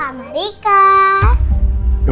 sebelum bapak sama rika